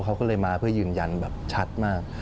เขาก็เลยมาเพื่อยืนยันแบบชัดมาก